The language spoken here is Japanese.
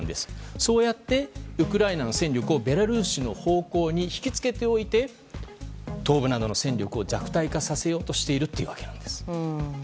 そうやってウクライナの戦力をベラルーシの方向に引き付けておいて東部などの戦力を弱体化させようとしているということです。